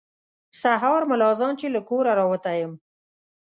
سهار ملا اذان چې له کوره راوتی یم.